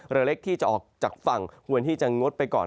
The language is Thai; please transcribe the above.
เรือเล็กที่จะออกจากฝั่งควรที่จะงดไปก่อน